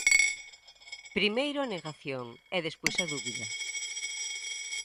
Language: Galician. Primeiro, a negación, e despois a dúbida.